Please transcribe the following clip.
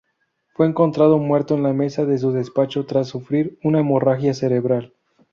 Fue encontrado muerto en la mesa de su despacho tras sufrir una hemorragia cerebral.